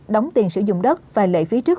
đóng tiền sử dụng đất và lệ phí trước